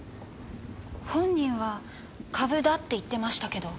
本人は「株だ」って言ってましたけど。